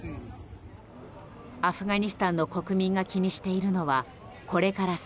アフガニスタンの国民が気にしているのは、これから先